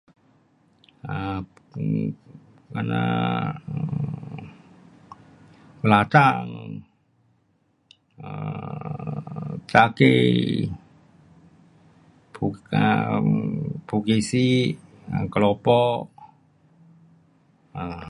um um 这样 um 每天 um 吃鸡，um 炸鸡翅，keropok[um]